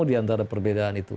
diantara perbedaan itu